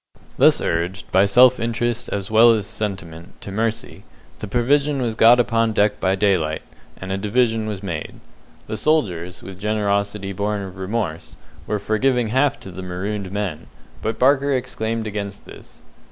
Thus urged, by self interest, as well as sentiment, to mercy, the provision was got upon deck by daylight, and a division was made. The soldiers, with generosity born of remorse, were for giving half to the marooned men, but Barker exclaimed against this.